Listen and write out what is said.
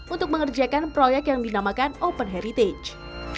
untuk mengerjakan proyek yang dinamakan open heritage